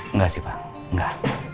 enggak sih pak enggak